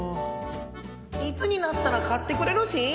・いつになったら買ってくれるしん？